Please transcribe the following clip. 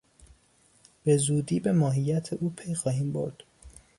بزودی به ماهیت او پی خواهیم برد.